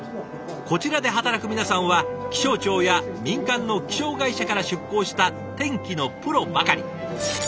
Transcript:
こちらで働く皆さんは気象庁や民間の気象会社から出向した天気のプロばかり。